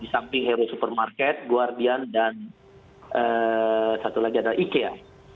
di samping hero supermarket guardian dan satu lagi adalah ikea